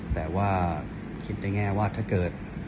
แต่ว่าคิดได้แง่ว่าถ้าเกิด